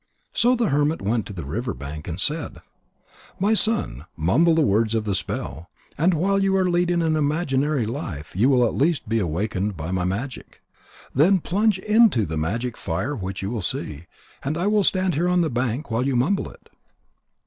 So the hermit went to the river bank, and said: "My son, mumble the words of the spell. And while you are leading an imaginary life, you will at last be awakened by my magic. Then plunge into the magic fire which you will see. I will stand here on the bank while you mumble it."